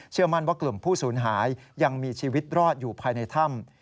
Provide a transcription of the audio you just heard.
มั่นว่ากลุ่มผู้สูญหายยังมีชีวิตรอดอยู่ภายในถ้ำ